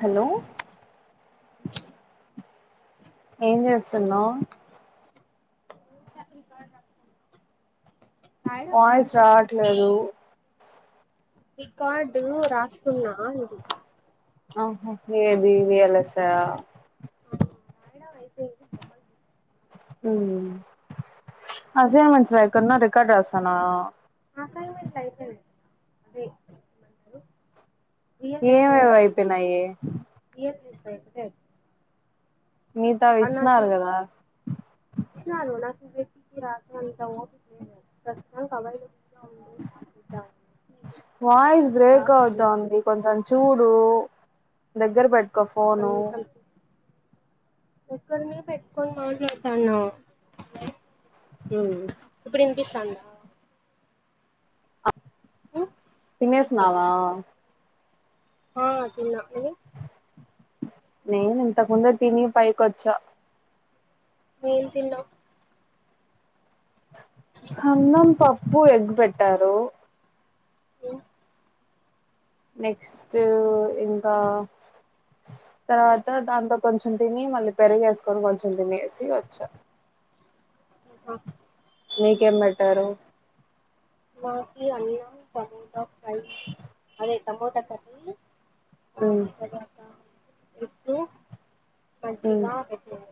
hello ఏం చేస్తున్నావ్ ని వాయిస్ రావట్లేదు రికార్డు రాస్తున్నా ఇది ఆహా ఏది వేలాసా నాయనా వయసేది బొమ్మలు అసైన్మెంట్స్ రాయకుండా రికార్డు రాస్తున్నా అసైన్మెంట్ అయిపోయింది ఏమేం అయిపోయినాయి స నీతా విచ్చినాలు కదా విచినలు నాకు రటికి రాక అంత ప్రస్తుతం కవై వాయిస్ బ్రేక్ అవుతుంది కొంచెం చూడు డు దగ్గర పెట్టుకో ఫోను ఎక్కడ మీ పెట్టుకని మాట్లాతాన్న ఉమ్, ఇప్పుడు వినిపిస్తందా తినేసినావా హా తిన్న నువ్వు నేను ఇంతకుందు తిని పైకి వచ్చా వీల్ తన్నా అన్నం పప్పు ఎగ్గుపెట్టారు అఓ నెక్స్ట్ ఇంకా తర్వాత దాంతో కొంచెం తిని మళ్ళీ పెరిగేసుకొని కొంచెం తినేసి వచ్చా ఆ నీకేం పెట్టారు మాకి అన్నం టమోటో ఫ్రై అదే టమోటా కర్రీ మ్మ్ ఐతే ఉమ్ మంచిగా పెట్టారు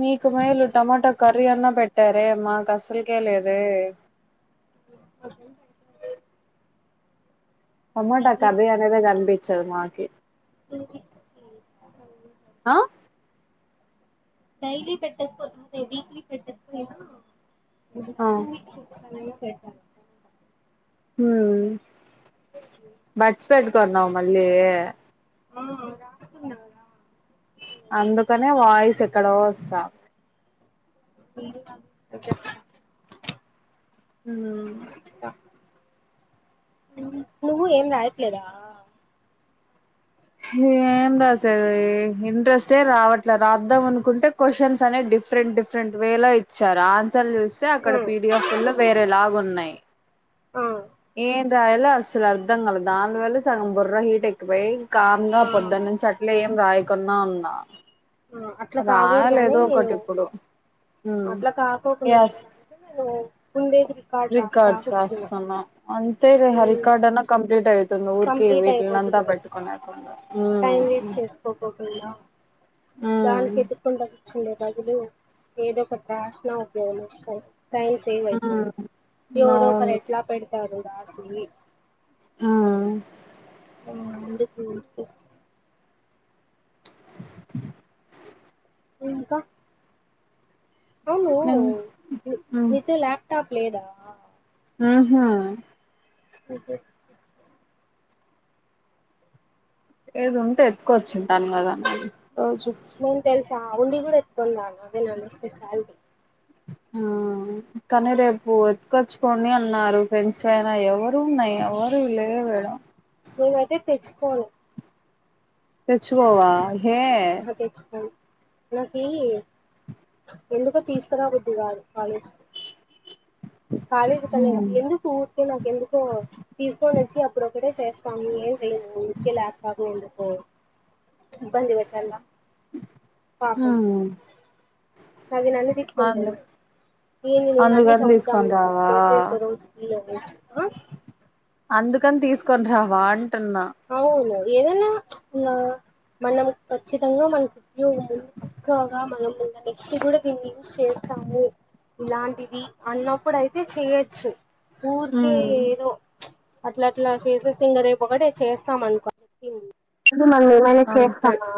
మీకు మేలు టమాటా కర్రీ అన్నా పెట్టారే మాకు అస్సల్కే లేదే [unintelligible] టమాటా కర్రీ అనేదే కనిపిచ్చదు మాకి [unintelligible] అ డైలీ పెట్టకపోతుంటే వీక్లి పెట్టొచ్చు కదా ఆ టూ వీక్స్ కి ఒక సరైనా పెడతారు హుమ్ బడ్స్ పెట్కున్నావు మళ్ళీ ఆ పెట్టుకున్న అందుకనే వాయిస్ ఎక్కడో వస్తా ఏం కాదు వినిపిస్తది హూమ్ నువ్వు ఏం రాయట్లేదా ఏం రాసేది ఇంట్రెస్టే రావట్లే రాద్దాం అనుకుంటే క్వశ్చన్స్ అనే డిఫరెంట్ డిఫరెంట్ వే లో ఇచ్చారు ఆన్స లు చూస్తే అక్కడ పిడిఎఫ్ లో వేరే లాగు ఉన్నాయి రాయలే అసలు అర్థం కాలదు దాని వల్లే సగం బుర్ర హీట్ ఎక్కిపోయి కామ్గా పొద్దున్న నుంచి అట్లే ఏమి రాయకుండా ఉన్నా రాయాలి ఏదోకటి ఇప్పుడు హుమ్ యస్ రికార్డ్స్ రాస్తాన్నా అం తేలే ఆ రికార్డన్న కంప్లీట్ అయి తే వీటినంతా పెట్టుకుని కుండ దానికి ఎతుక్కుంట కూచ్చునే బదులు ఏదోకటి రాష్నా ఉపయోగమోస్తది టైం సేవై పోద్ది హ్మ్ ఎవరో ఒకరు అవును ఎట్లా పెడతారు రాసి ఆ ఆ అందుకి ఊరికే [inaudible] ఇంకా అవును హ్మ్ నీతో ల్యాప్టాప్ లేదా ఊహు ఓకే ఏది ఉంటే ఎతుకొచ్చుంటాను కదా మరి రోజు చా ఉండి కూడా ఎత్తుకుండాల్న అదే నా స్పెషాలిటీ ఆ కానీ రేపు ఎతుకొచ్చుకోని అన్నారు ఫ్రెండ్స్ అయినా ఎవరివున్నాయి ఎవరివి లే ఇవ్వడ నేనైతే తెచ్చుకోను తెచ్చుకోవా హే అహ తెచ్చుకొను నాకి ఎందుకో తీస్కరా బుద్దిగాదు కాలేజ్ కి కాలేజీ కనే హ్మ్ గాదు ఎందుకు ఊర్కే నాకు ఎందుకో తీస్కొనచ్చి అ ప్పుడు ఒకడే చేస్తాము ఏం చైము ఊర్కే లాప్టాపు ఎందుకు ఓ ఇబ్బంది పెట్టళ్ల హూమ్ అది నన్ను తిట్టుకుంటది ఏందీ నేన్ననే అందుకని తీసుకొని చంపుతాన్నవ్ రావా చేసే ఒక రోజుకిల వేసి అందుకని తీసుకొని రావా అ అవును ఏదైన్నా ఇ మనం ఖచ్చితంగా మనకు ఉప్యోగ కాగా మనం నెక్స్ట్ కూడా దీన్ని యూజ చేస్తాము ఇలాంటిది అన్నప్పుడు అయితే చెయొచ్చు ఊరికే హ్మ్ ఏదో అట్లా అట్లా చేసేసింగ రేపు ఒకటే చేస్తాంనుకో అ మనం ఏమైనా అంతే చేస్తామా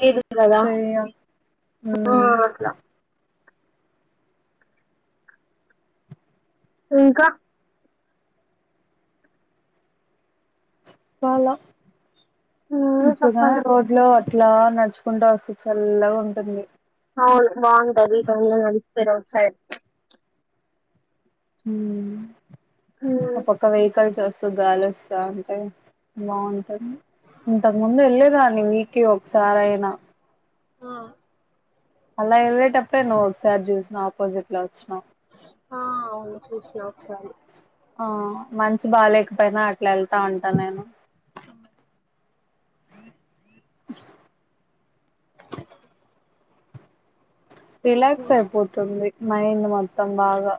లేదు గదా చెయ్యం హ్మ్ ఇంకా పాల నువ్వే ఇప్పుదనే చెప్పాలి రోడ్ లో ఇట్లా నడుచుకుంటూ వస్తుంది చల్లగా ఉంటుంది ఆ అవును బాగుంటది [inaudible] ఆ సైడ్ పక్క వెహికల్ వస్తా గాలి వస్తా ఉంటే బాగుంటుంది ఇంతకు ముందు వెలేదాన్ని వీకే ఒకసారి అయినా ఆ అలా వెళ్లేటప్పుడు నువ్వు ఒకసారి చూసినం ఆపోజిట్ లో వచినవ ఆ అవును చూసినా ఒకసారి ఆ మంచి బాగాలేేకపోయినా అట్లా వెళ్తా ఉంటా నేను [inaudible] [inaudible] రిలాక్స్ అయిపోతుంది మైండ్ మొత్తం బాగా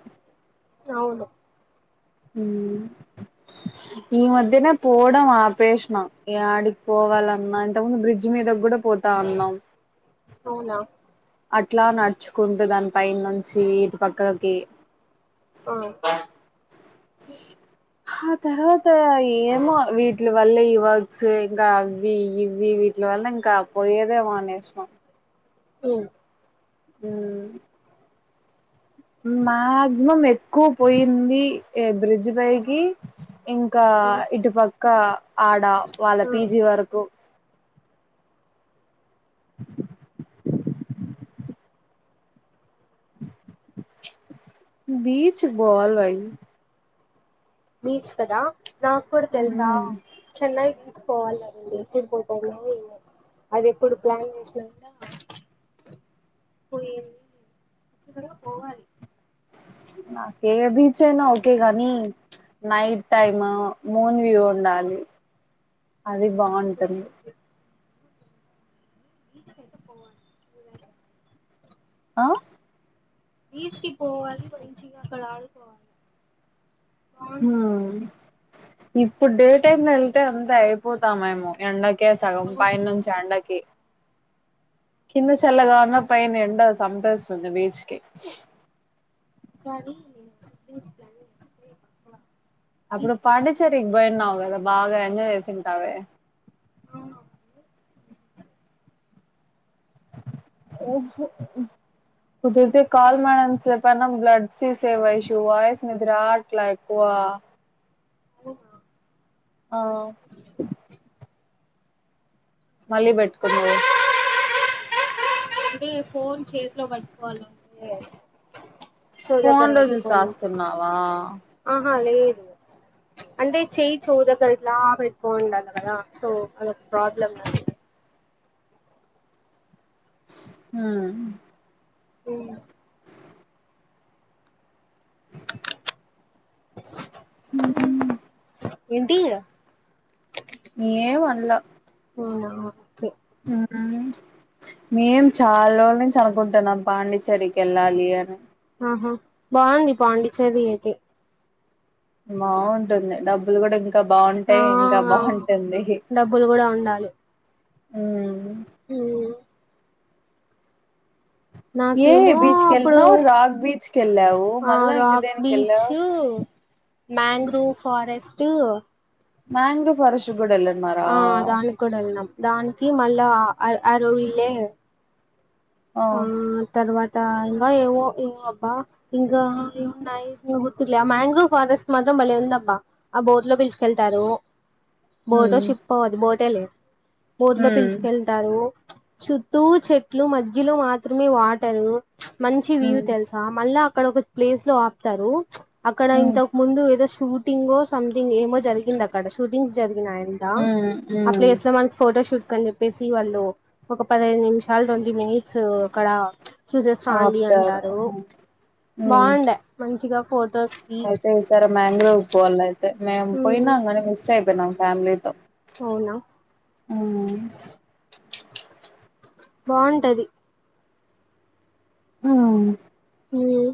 అవును ఉ ఈ మధ్యనే పోవడం ఆపేషణ ఆడికి పోవాలన్నా ఇంతకు ముందు బ్రిడ్జ్ మీద కూడా పోతా ఉన్నాం అవునా అట్లా నడుచుకుంటూ దాని ప నుంచి ఇటుపక్కకి ఆ తర్వాత ఏమో వి వీల వల్లే ఈ వర్క్స్ ఇంకా అవి ఇవి వీటిల వల్ల ఇంకా పోయేదే మానేసాం ఉ ఊ మాక్సిమం ఎక్కువ పోయింది బ్రిడ్జ్ పైకి ఇంకా ఇటుపక్క ఆడ వాళ్ళ పీజీ వరకు బీచ్ బాల వయి బీచ్ కదా నాకు కూడా తెలుసా చెన్నై పోవాలని ఉంది అప్పుడు పోతాను పోచ్చ పోవాలి [inaudible] నాక ఏ బీచ్ అయినా ఓకే గాని నైట్ టైమ్ మూన్ వ్యూ ఉండాలి అది బాగుంటది బీచ్ కతే పోవాల ఆ బీచ్కి పోవాలి మంచిగ అక్కడ ఆదుకోవాలి ఇప్పుడు డే టైమ్ లో వెళ్తే అంతా అయిపోతాం ఏమో ఎడా సగం పైనం చాండకి కింద చెెల్లగా ఉన్నా పైన ఎండ సపస్తుంది బీచ్కి సాలు [inaudible] అప్పుడు పాండిచేరికి పోయిన్నావు కదా బాగా ఎంజాయ్ చేసింటావే ఓహో ఉ కుదిర్తే కల్ మ చెప్ప బ్లడ్ సేవ్ వయిస్ నిద ఆట్ ఎక్కువ ఆ ఓ ఆ మళ్ళీ పెట్టుకున్నారు అంటే ఫోన్ చేతిలో పట్టుకోవాలంటే చెవు దగ్గర ఫోన్ లో చూసి పెట్టుకని రాస్తున్నావా ఆహా లేదు అంటే చేయి చెవు దగ్గర ఇట్లా పెట్కో ఉండాలి కదా సో అదొ ఒక ప్రాబ్లమ్ అ ఉమ్ అఓ ఉమ్ ఏంటి ఏమి అనలే అవునా ఓకే ఆ మేం చాలా రోజులు నుంచి అనుకుంటున్నాం పాండిచేరికి వెళ్ళాలి అని ఆహా బాగుంది పాండిచ్చేరి అయితే బాగుంటుంది డబ్బులు కూడా ఇ ఇంకా బాగుంటాయి ఇంకా బాంటుంది మ్ ఏ బీచ్కెళ్ళిన రాగ్ బీచ్కెళ్ళావు మళ్ళా ఇంకా దేనినికిళ్ళావు మ్యాంగ్రూవ్ ఫారెస్ట్ మంగ్రో ఫారెస్ట్ కూడా వెళ్ళన్నారా ఆ దానికి కూడా వెళ్న్నాం దానికి మళ్ళా అరువిల్లే ఆ తరువాత ఇకా ఏవో ఏ అబ్బా ఇంగా మాంగ్రోవ్ ఫారెస్ట్ మాత్రం బలే ఉందబ్బా ఆ బోట్ లో పిలుచుకెళ్తారు బోట్ మ్మ్ షిప్ అది బోటే లే బోట్ లో మ్మ్ పిలుచుకెళ్తారు చుట్టూ చెట్లు మధ్యలో మాత్రమే వాటరు మంచి వ్యూ మ్మ్ తెలుసా మళ్ళా అక్కడ ఒక ప్లేస్ లో ఆపుతారు అక్కడ మ్మ్ ఇంతకు ముందు ఏదో షూటింగ్ సంథింగ్ ఏమో జరిగింది అక్కడ షూటింగ్స్ జరిగింది మ్మ్ ఆ మ్మ్ ప్లేస్ లో మనకి ఫోటో షూట్ కని చెప్పేసి వాళ్ళు ఒక పదిహదు నిమిషాలు ఒక ట్వంటీ మినీ సో అక్కడ చూసేసిరండి అంటారు హ అయితే ఈసరా మ్యాంగ్రోవ్ పోవాలయితే మేము పోయినా కానే మిస్ అయిపోయినాం ఫ్యామిలీతో అవునా మ్మ్ బాగుంటది ఆ ఉమ్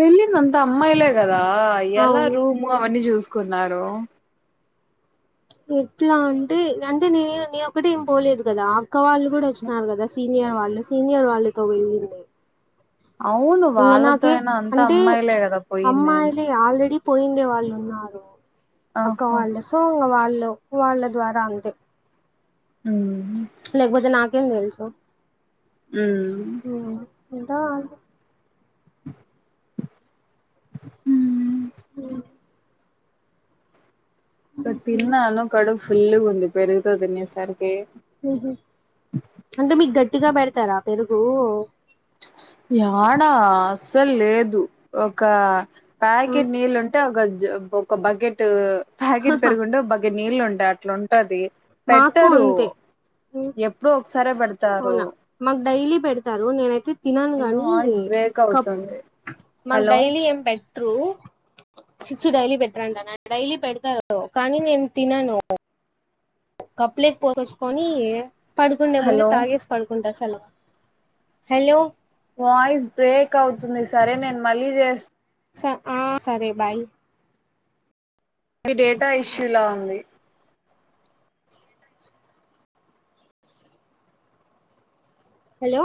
వెళ్లిందంతా అమ్మాయిలే గద- ద ఎలా రూము అవన్నీ చూసుకున్నారు ఎట్లా అంటే అంటే నేనే నీ ఒక్కట ఏం పోలేదు కదా అక్క వాళ్ళు కూడా వచ్చినారు కదా స సీనియర్ వాళ్ళు సీనియర్ వాళ్ళతో వెళ్ళింది అవును వాళ్ళతో అయినా అంత అమ్మాయిలే కదా పోయింది అని అ అక్క వాళ్ళు సో వాళ్ళు వాళ్ళ ద్వారా అంతే ఉమ్ లేకపోతే నాకేం తెలుసు ఉమ్ అంత అ ఇ తిన్నాను కడుపూ ఫుల్ ఉంది పెరుగుతో తినే సరికి పెరుగు యాడా అస్సలు లేదు ఒక ప్యాకెట్ నీళ్ళు ఉంటే ఒక జబ్ ఒక బకెట్ ప్యాకెట్ పెరుగుంటే ఒక బకెట్ నీళ్లు ఉంటాయి అట్లా ఉంటది పెట్టరు ఎప్పుడో ఒకసారే పెడతారు పెడతారు నేనైతే తినను అయ్యో కాని వాయిస్ బ్రేక్ కప్ అవుతుంది మాకు హలో డైలీ ఏం పెట్టరు చిచి డైలీ పెట్టరాంట నా డైలీ పెడతారు కానీ నేను తినను కప్పులేకి పోసుకొని పడుకుండే ముందు హలో తాగేసి పడుకుంటా హలో హలో వాయిస్ బ్రేక్ అవుతుంది సరే నేను మళ్ళీ చేస్తా స ఆ సరే బాయ్ ఇది డేటా ఇష్యూ లా ఉంది హలో